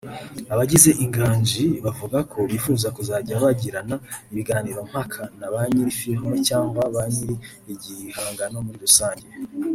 Abagize inganji bavuga ko bifuza kuzajya bagirana ibiganiro mpaka naba nyiri films cyangwa banyiri igihangano muri rusange